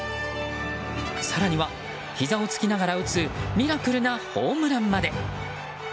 更には、ひざをつきながら打つミラクルなホームランまで。